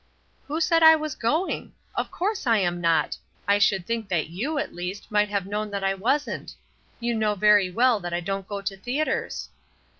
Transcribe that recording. ''" Who said I was going ? Of course I am not. I should think that you, at least, might have known that I wasn't. You know very well that I don't go to theatres."